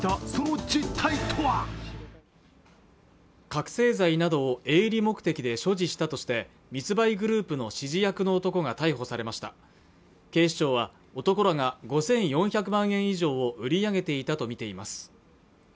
覚醒剤などを営利目的で所持したとして密売グループの指示役の男が逮捕されました警視庁は男が５４００万円以上を売り上げていたとみています